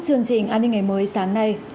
chương trình an ninh ngày mới sáng nay